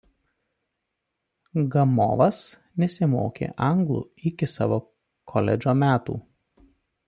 Gamovas nesimokė anglų iki savo koledžo metų.